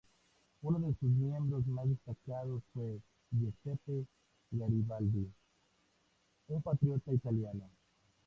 Uno de sus miembros más destacados fue Giuseppe Garibaldi, un patriota italiano.